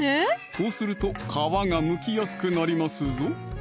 こうすると皮がむきやすくなりますぞ！